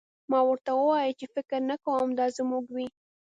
ما ورته وویل چې فکر نه کوم دا زموږ وي